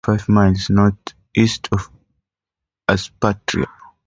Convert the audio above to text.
It is about five miles north-east of Aspatria.